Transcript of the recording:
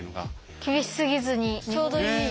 厳しすぎずにちょうどいい。